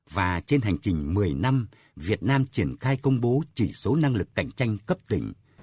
và trên hành trình một mươi năm việt nam triển khai công bố chỉ số năng lực cạnh tranh cấp tỉnh